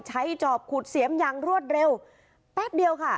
จอบขุดเสียมอย่างรวดเร็วแป๊บเดียวค่ะ